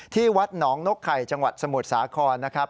ที่วัดหนองนกไข่จังหวัดสมุทรสาครนะครับ